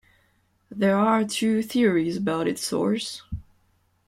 There are two theories about its source.